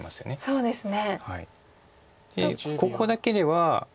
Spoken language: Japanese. そうなんですね。